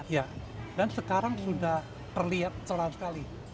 ya dan sekarang sudah terlihat cerah sekali